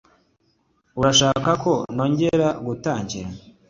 Urashaka ko nongera gutangira?